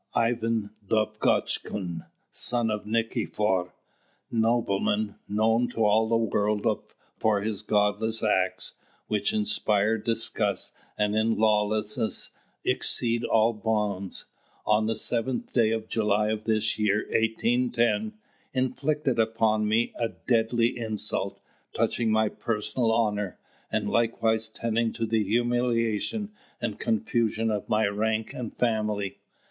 Ivan Dovgotchkun, son of Nikifor, nobleman, known to all the world for his godless acts, which inspire disgust, and in lawlessness exceed all bounds, on the seventh day of July of this year 1810, inflicted upon me a deadly insult, touching my personal honour, and likewise tending to the humiliation and confusion of my rank and family.